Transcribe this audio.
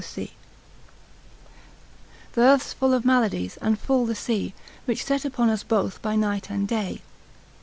——— Th' earth's full of maladies, and full the sea, Which set upon us both by night and day.